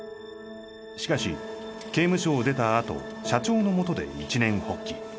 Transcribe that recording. しかし刑務所を出たあと社長のもとで一念発起。